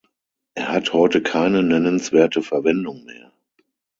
Er hat heute keine nennenswerte Verwendung mehr.